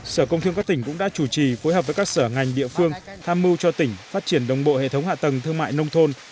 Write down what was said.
sở công thương các tỉnh cũng đã chủ trì phối hợp với các sở ngành địa phương tham mưu cho tỉnh phát triển đồng bộ hệ thống hạ tầng thương mại nông thôn